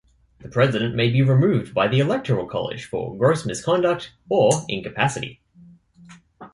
The President may be removed by the electoral college for gross misconduct or incapacity.